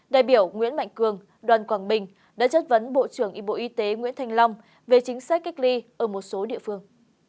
đại biểu nguyễn mạnh cường đoàn quảng bình đã chất vấn bộ trưởng y tế nguyễn thanh long về chính sách cách ly ở một số địa phương